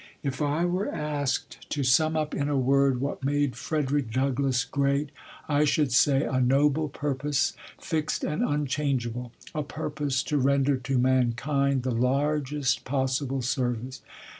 If I were asked to sum up in a word what made Frederick Douglass great, I should say a noble purpose, fixed and unchangeable, a purpose to render to mankind the largest possible service.